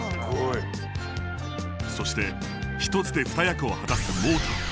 そして１つで２役を果たすモーター。